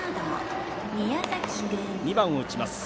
２番を打ちます